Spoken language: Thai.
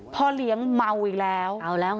พ่อเลี้ยงเมาอีกแล้ว